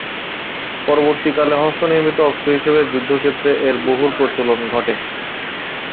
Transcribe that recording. পরবর্তীকালে হস্তনির্মিত অস্ত্র হিসেবে যুদ্ধক্ষেত্রে এর বহুল প্রচলন ঘটে।